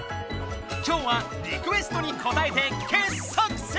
きょうはリクエストにこたえて傑作選！